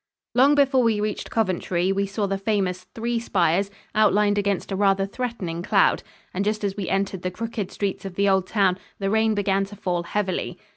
Long before we reached Coventry, we saw the famous "three spires" outlined against a rather threatening cloud, and just as we entered the crooked streets of the old town, the rain began to fall heavily.